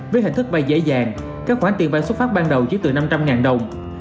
với hình thức vay dễ dàng các khoản tiền vay xuất phát ban đầu chỉ từ năm trăm linh đồng